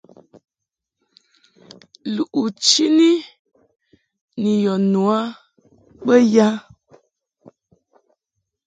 Lɨʼ u chini ni yɔ nu a bə ya ?